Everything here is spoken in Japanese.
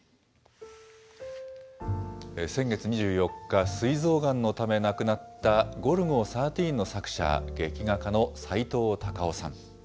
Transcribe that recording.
先月２４日、すい臓がんのため亡くなった、ゴルゴ１３の作者、劇画家のさいとう・たかをさん。